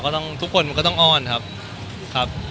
ทุกคนมันก็ต้องอ้อนครับครับ